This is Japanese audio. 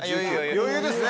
余裕ですね。